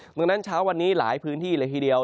ดังนั้นเช้าวันนี้หลายพื้นที่เลยทีเดียว